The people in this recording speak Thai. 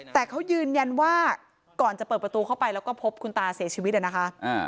แต่เขายืนยันว่าก่อนจะเปิดประตูเข้าไปแล้วก็พบคุณตาเสียชีวิตนะคะ